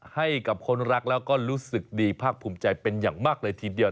ให้กับคนรักแล้วก็รู้สึกดีภาคภูมิใจเป็นอย่างมากเลยทีเดียว